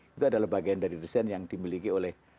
itu adalah bagian dari desain yang dimiliki oleh